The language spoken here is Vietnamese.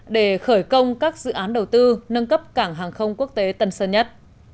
để khởi công các dự án đầu tư nâng cấp cảng hàng không quốc tế tần sân nhất